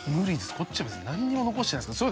こっちは別に何にも残してないですから。